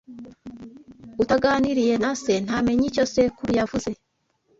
Utaganiriye na se ntamenya icyo sekuru yavuze